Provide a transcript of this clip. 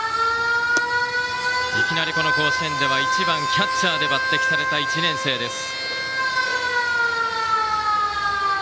いきなり、この甲子園では１番キャッチャーに抜てきされた１年生です。